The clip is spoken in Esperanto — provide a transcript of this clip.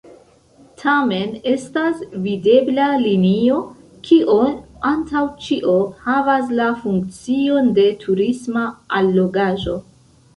Tamen estas videbla linio, kio antaŭ ĉio havas la funkcion de turisma allogaĵo.